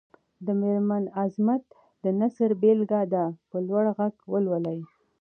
د مېرمن عظمت د نثر بېلګه دې په لوړ غږ ولولي.